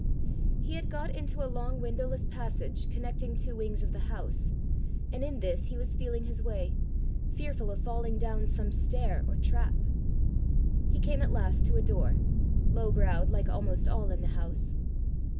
He had got into a long windowless passage connecting two wings of the house, and in this he was feeling his way, fearful of falling down some stair or trap. He came at last to a door low browed like almost all in the house.